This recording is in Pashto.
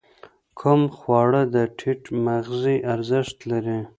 کوم خواړه د ټیټ مغذي ارزښت لري؟